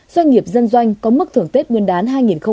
doanh nghiệp dân doanh có mức thưởng tết ngân đán